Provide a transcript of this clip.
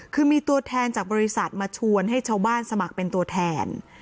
คือมีตัวแทนจากบริษัทมาชวนให้ชาวบ้านสมัครเป็นตัวแทน